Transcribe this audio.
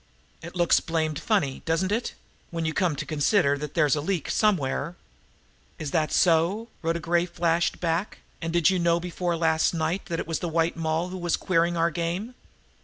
It looks blamed funny doesn't it? when you come to consider that there's a leak somewhere!" "Is that so!" Rhoda Gray flashed back. "And did you know before last night that it was the White Moll who was queering our game?"